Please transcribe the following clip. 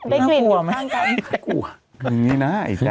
ด้วยกลิ่นห้ามกัน